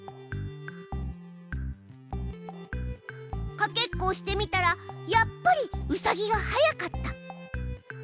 かけっこをしてみたらやっぱりうさぎが速かった。